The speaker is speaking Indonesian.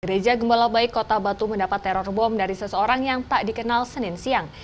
gereja gembala baik kota batu mendapat teror bom dari seseorang yang tak dikenal senin siang